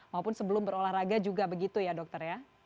maupun sebelum berolahraga juga begitu ya dokter ya